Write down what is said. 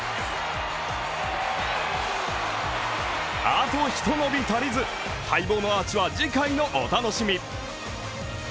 あとひと伸び足りず、待望のアーチは次回のお楽しみ。